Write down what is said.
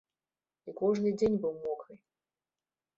Я кожны дзень быў мокры.